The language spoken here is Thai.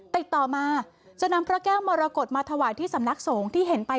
ติดต่อมาจะนำพระแก้วมรกฏมาถวายที่สำนักสงฆ์ที่เห็นไป